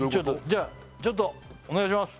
じゃあちょっとお願いします